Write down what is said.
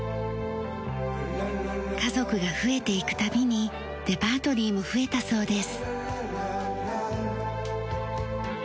家族が増えていく度にレパートリーも増えたそうです。